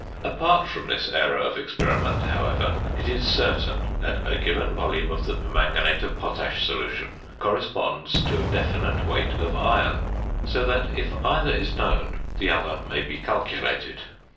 Apart from this error of experiment, however, it is certain that a given volume of the permanganate of potash solution corresponds to a definite weight of iron, so that if either is known the other may be calculated.